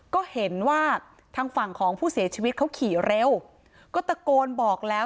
ก็เห็นว่าทางฝั่งของผู้เสียชีวิตเขาขี่เร็วก็ตะโกนบอกแล้ว